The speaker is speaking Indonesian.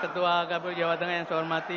ketua kpu jawa tengah yang saya hormati